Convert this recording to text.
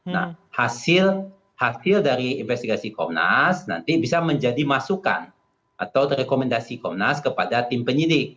nah hasil dari investigasi komnas nanti bisa menjadi masukan atau rekomendasi komnas kepada tim penyidik